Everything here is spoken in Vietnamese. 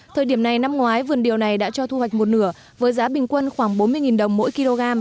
thời điểm này năm ngoái vườn điều này đã cho thu hoạch một nửa với giá bình quân khoảng bốn mươi đồng mỗi kg